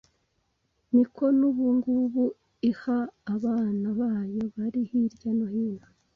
ni ko n’ubungubu iha abana bayo bari hirya no hino